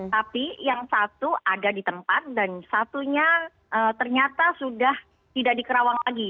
tapi yang satu ada di tempat dan satunya ternyata sudah tidak di kerawang lagi